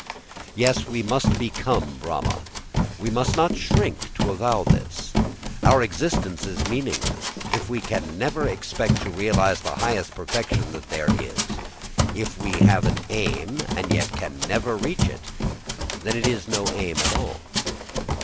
Yes, we must become Brahma. We must not shrink to avow this. Our existence is meaningless if we never can expect to realise the highest perfection that there is. If we have an aim and yet can never reach it, then it is no aim at all.